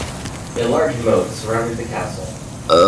A large moat surrounded the castle.